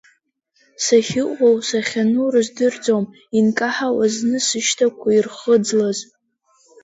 Сахьыҟоу, сахьану рыздырӡом инкаҳауа зны сышьҭақәа ирхыӡлаз.